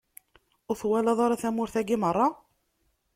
Ur twalaḍ ara tamurt-agi meṛṛa?